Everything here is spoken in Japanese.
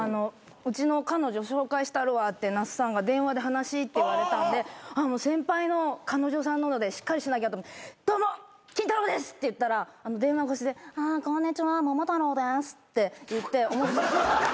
「うちの彼女紹介したるわ」って那須さんが電話で話しって言われたんで先輩の彼女さんなのでしっかりしなきゃと「どうもキンタロー。です」って言ったら電話越しで「あこんにちはモモタローです」って言って。